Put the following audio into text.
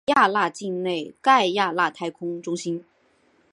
阿丽亚娜火箭发射场地位于南美洲法属圭亚那境内盖亚那太空中心。